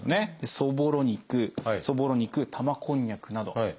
そぼろ肉そぼろ肉玉こんにゃくなど。